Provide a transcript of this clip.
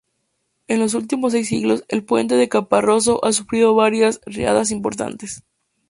En los últimos seis siglos, el puente de Caparroso ha sufrido varias riadas importantes.